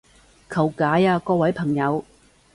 求解啊各位朋友